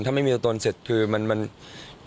คุณมันต้องมีตัวตนเษ็จถ้าไม่มีตัวตน